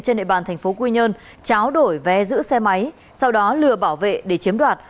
trên địa bàn tp quy nhơn cháo đổi vé giữ xe máy sau đó lừa bảo vệ để chiếm đoạt